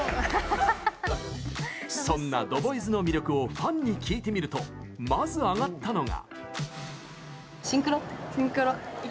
そんなＴＨＥＢＯＹＺの魅力をファンに聞いてみるとまず挙がったのが。